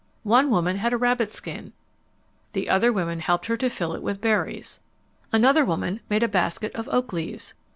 One woman had a rabbit skin. The other women helped her fill it with berries. Another woman made a basket of oak leaves.